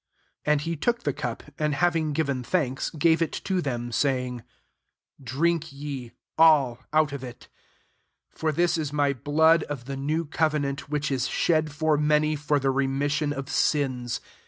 27 And he took the cup, and having given thamks, gave it to them, saying, "Drink ye, all, out of it: 28 lot this is my blood of the new covenant, which is> shed for many» for the remission of sins.